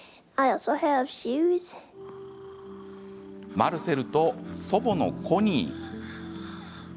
マルセルと祖母のコニー。